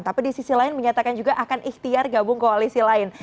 tapi di sisi lain menyatakan juga akan ikhtiar gabung koalisi lain